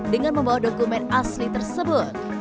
dengan membawa dokumen asli tersebut